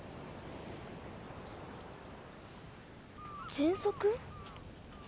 ぜんそく？